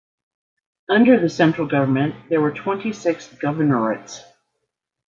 Under the central government, there were twenty-six governorates.